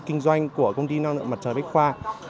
kinh doanh của công ty năng lượng mặt trời bách khoa